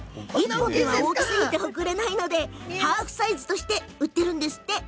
大きいと送れないのでハーフサイズとして売っているんですって。